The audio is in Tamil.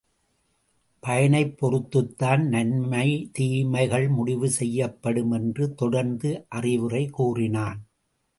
பயனைப் பொறுத்துத்தான் நன்மை தீமைகள் முடிவு செய்யப்படும் என்று தொடர்ந்து அறிவுரை கூறினான்.